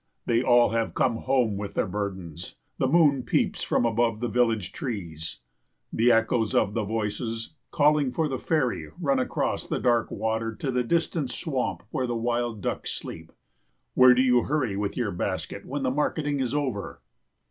They all have come home with their burdens; the moon peeps from above the village trees. The echoes of the voices calling for the ferry run across the dark water to the distant swamp where wild ducks sleep. Where do you hurry with your basket when the marketing is over?